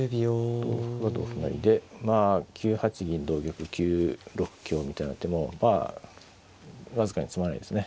まあ９八銀同玉９六香みたいな手もまあ僅かに詰まないですね。